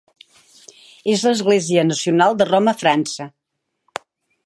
És l'església nacional de Roma a França.